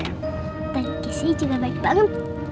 bagus sih juga baik banget